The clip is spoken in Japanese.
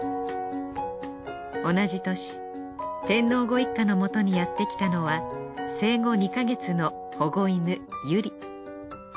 同じ年天皇ご一家のもとにやってきたのは生後２か月の保護犬由莉。